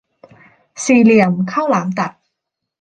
สี่เหลี่ยมข้าวหลามตัด